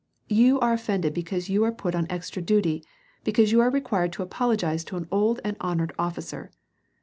You are offended because you are put on extra duty, because you are required to apologize to an old and hon ored officer